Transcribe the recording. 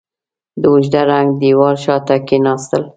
د اوږده ړنګ دېوال شاته کېناستل.